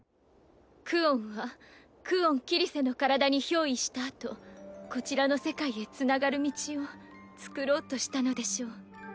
クオンは久遠桐聖の体に憑依したあとこちらの世界へつながる道を作ろうとしたのでしょう。